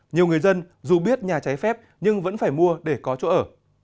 nhiều người dân dù biết nhà cháy phép nhưng vẫn phải mua để có chỗ ở